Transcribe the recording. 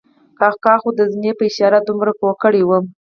کاکا خو د زنې په اشاره دومره پوه کړی وم.